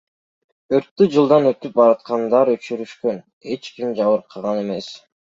Өрттү жолдон өтүп бараткандар өчүрүшкөн, эч ким жабыркаган эмес.